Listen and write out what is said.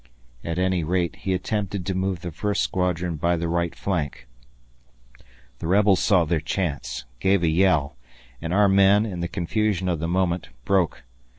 At any rate, he attempted to move the first squadron by the right flank. The rebels saw their chance, gave a yell, and our men, in the confusion of the moment, broke.